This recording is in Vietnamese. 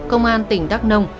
công an tỉnh đắk nông